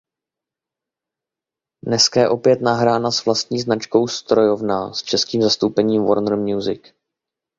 Deska je opět nahrána s vlastní značkou Strojovna s českým zastoupením Warner Music.